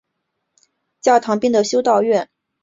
教堂边的修道院今天是法国军医博物馆。